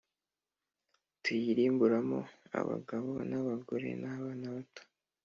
Tuyirimburamo abagabo n abagore n abana bato